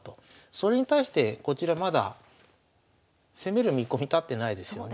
それに対してこちらまだ攻める見込み立ってないですよね。